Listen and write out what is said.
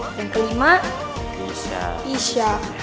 yang kelima isya